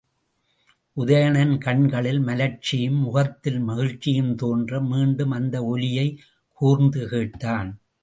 உதயணன் கண்களில் மலர்ச்சியும் முகத்தில் மகிழ்ச்சியும் தோன்ற, மீண்டும் அந்த ஒலியைக் கூர்ந்து கேட்டான்.